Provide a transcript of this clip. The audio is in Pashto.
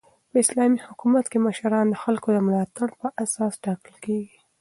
په اسلامي حکومت کښي مشران د خلکو د ملاتړ پر اساس ټاکل کیږي.